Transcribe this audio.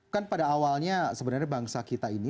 kan pada awalnya sebenarnya bangsa kita ini